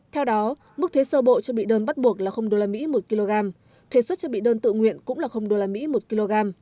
theo đó mức thuế sơ bộ cho bị đơn bắt buộc là usd một kg thuế xuất cho bị đơn tự nguyện cũng là usd một kg